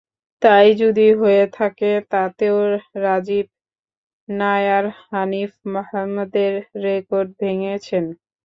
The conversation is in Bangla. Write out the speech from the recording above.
তা-ই যদি হয়ে থাকে, তাতেও রাজীব নায়ার হানিফ মোহাম্মদের রেকর্ড ভেঙেছেন।